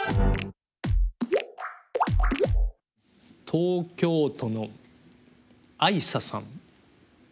東京都のあいささん。